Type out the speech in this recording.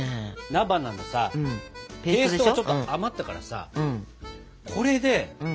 菜花のさペーストがちょっと余ったからさこれで何かできないかな。